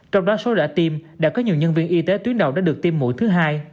trong đó số rã tim đã có nhiều nhân viên y tế tuyến đầu đã được tiêm mũi thứ hai